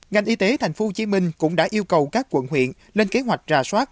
ngành y tế thành phố hồ chí minh cũng đã yêu cầu các quận huyện lên kế hoạch rà soát